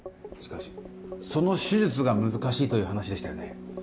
しかしその手術が難しいという話でしたよね？